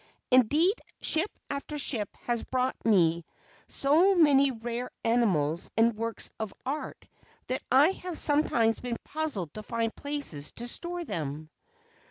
Indeed, ship after ship has brought me so many rare animals and works of art that I have sometimes been puzzled to find places to store them.